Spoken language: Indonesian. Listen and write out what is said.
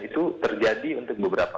itu terjadi untuk beberapa